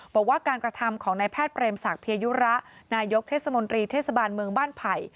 บอกว่าการกระทำของนายแพทย์เปรมศักดิยยุระนายกเทศมนตรีเทศบาลเมืองบ้านไผ่